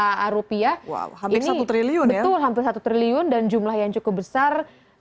ini betul hampir satu triliun dan jumlah yang cukup besar